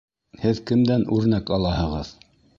— Һеҙ кемдән үрнәк алаһығыҙ?